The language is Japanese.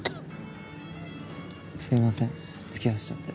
すいませんつきあわせちゃって。